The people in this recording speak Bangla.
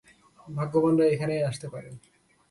ভাগ্যবানরাই এখানে আসতে পারে।